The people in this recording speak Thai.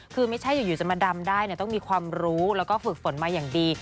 คือไม่ใช่อยู่จะมาดำได้ต้องมีความรู้แล้วก็ฝึกฝนมาอย่างดี